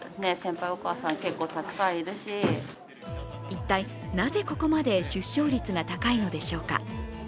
一体なぜここまで出生率が高いのでしょうか。